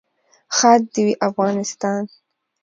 ښاد دې وي افغانستان.